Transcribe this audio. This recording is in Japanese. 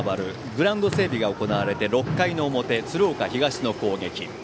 グラウンド整備が行われて６回の表、鶴岡東の攻撃。